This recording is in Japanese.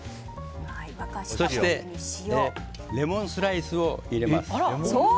そしてレモンスライスを入れます。